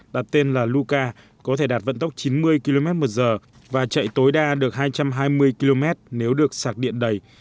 đặt tên là luca có thể đạt vận tốc chín mươi km một giờ và chạy tối đa được hai trăm hai mươi km nếu được sạc điện đầy